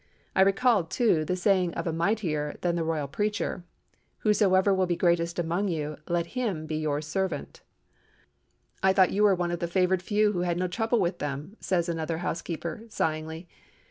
I recalled, too, the saying of a mightier than the Royal Preacher: 'Whosoever will be greatest among you, let him be your servant.'" "I thought you were one of the favored few who had no trouble with them," says another housekeeper, sighingly.